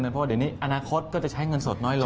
เพราะว่าเดี๋ยวนี้อนาคตก็จะใช้เงินสดน้อยลง